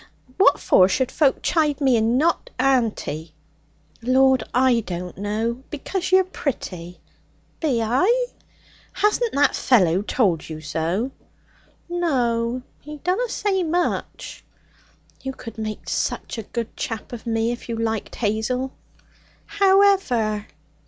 What for should folk chide me and not auntie?' 'Lord, I don't know! Because you're pretty.' 'Be I?' 'Hasn't that fellow told you so?' 'No. He dunna say much.' 'You could make such a good chap of me if you liked, Hazel.' 'How ever?'